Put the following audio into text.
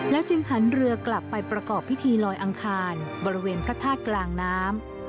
จึงหันเรือกลับไปประกอบพิธีลอยอังคารบริเวณพระธาตุกลางน้ำ